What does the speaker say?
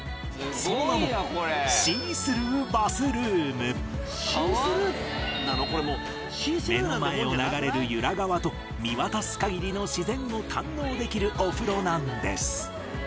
その名も目の前を流れる見渡す限りの自然を堪能できるお風呂なんです